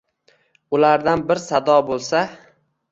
Ulardan bir sado bo’lsa